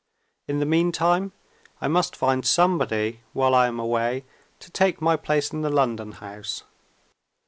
In the meantime, I must find somebody, while I am away, to take my place in the London house.